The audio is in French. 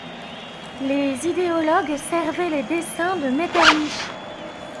Les idéologues servaient les desseins de Metternich.